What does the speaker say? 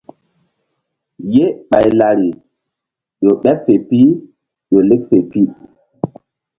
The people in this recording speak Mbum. Ye ɓay lari ƴo ɓeɓ fe pi ƴo lek fe pi.